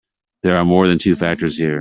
There are more than two factors here.